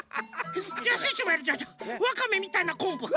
ワカメみたいなコンブ。